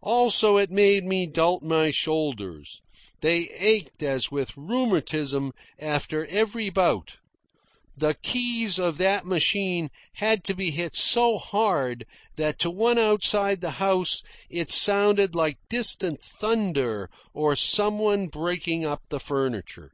Also, it made me doubt my shoulders. They ached as with rheumatism after every bout. The keys of that machine had to be hit so hard that to one outside the house it sounded like distant thunder or some one breaking up the furniture.